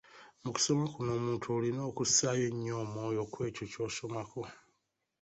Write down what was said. Mu kusoma kuno omuntu olina okussaayo ennyo omwoyo ku ekyo ky’osomako.